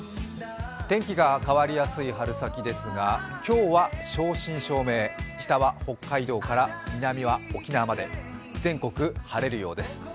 天気が変わりやすい春先ですが、今日は正真正銘、北は北海道から南は沖縄まで全国晴れるようです。